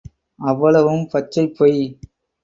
அவ்வளவும் பச்சைப் பொய்.